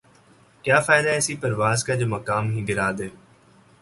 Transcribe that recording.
کیا فائدہ ایسی پرواز کا جومقام ہی گِرادے